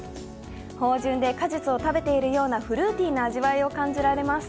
芳じゅんで果実を食べているようなフルーティーな味わいを感じられます。